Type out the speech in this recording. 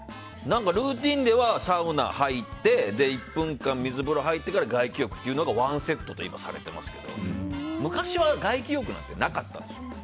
ルーティンではサウナ入って１分間、水風呂入ってから外気浴がワンセットと今されていますけど昔は外気浴なんてなかったですよ。